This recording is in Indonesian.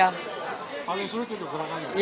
paling seru itu gerakannya